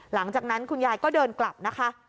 หลังจากนั้นคุณยายก็เดินกลับนะคะ